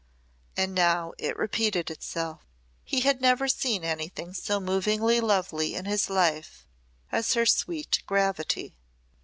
And now it repeated itself. He had never seen anything so movingly lovely in his life as her sweet gravity.